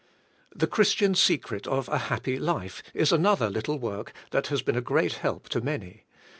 The Christianas Secret of a Happy Life is another lit tle work that has been a great help to many.